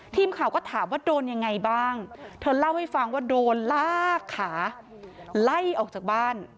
ทีมข่าก็ถามว่า